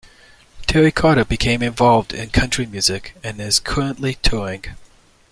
Terry Carter became involved in country music and is currently touring.